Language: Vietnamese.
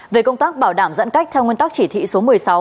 về công tác bảo đảm giãn cách theo nguyên tắc chỉ thị số một mươi sáu